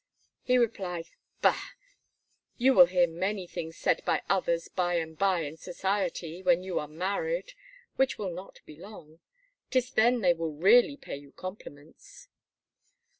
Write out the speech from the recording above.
He replied: "Bah! you will hear many things said by others by and by in society, when you are married, which will not be long. 'Tis then they will really pay you compliments."